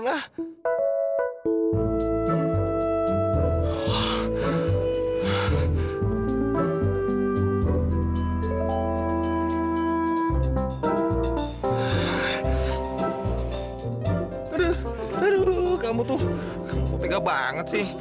aduh kamu tuh kamu tuh tinggal banget sih